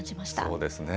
そうですね。